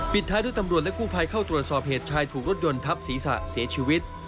ท้ายด้วยตำรวจและกู้ภัยเข้าตรวจสอบเหตุชายถูกรถยนต์ทับศีรษะเสียชีวิต